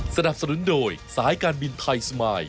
สนับสนุนโดยสายการบินไทยสมาย